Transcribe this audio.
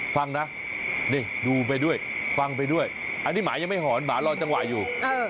ฟังนะนี่ดูไปด้วยฟังไปด้วยอันนี้หมายังไม่หอนหมารอจังหวะอยู่